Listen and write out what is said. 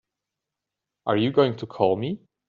Are you going to call me?